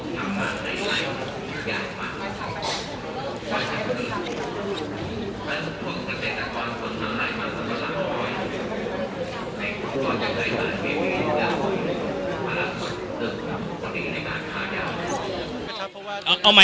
สวัสดีครับ